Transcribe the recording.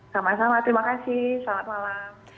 sama sama terima kasih selamat malam